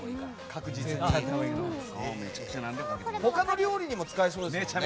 他の料理にも使えそうですね。